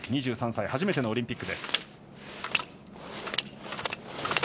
２３歳初めてのオリンピック。